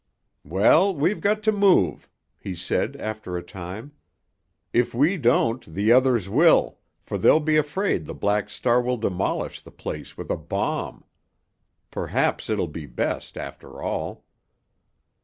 "Well, we've got to move," he said after a time. "If we don't, the others will, for they'll be afraid the Black Star will demolish the place with a bomb. Perhaps it'll be best, after all."